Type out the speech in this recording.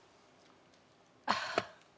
ああ。